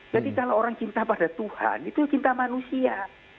jadi kalau orang cinta pada tuhan itu cinta manusia